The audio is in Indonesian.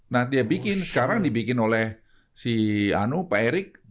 nah dia bikin sekarang dibikin oleh si pak erik